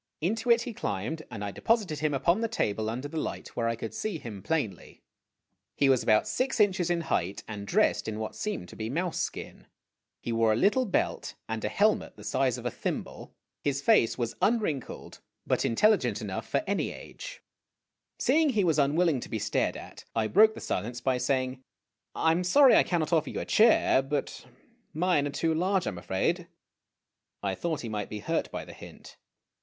Into it he climbed, and I deposited him upon the table under the light, where I could see him plainly. He was about six inches in height, and dressed in what seemed to be mouse skin. He wore a little belt, and a helmet the size "THE LITTLE MAN HKLD HIS LANTERN NEAR MY FACE AND SAID: 'I THINK I MUST HAVE MADE A MISTAKE !'" 1 82 IMAGINOTIONS of a thimble. His face was unwrinkled, but intelligent enough for o o any age. Seeing he was unwilling to be stared at, I broke the silence by saying, "I am sorry I cannot offer you a chair but mine are too large, I am afraid." I thought he might be hurt by the hint.